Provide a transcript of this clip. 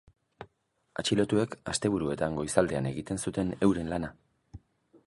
Atxilotuek asteburuetan goizaldean egiten zuten euren lana.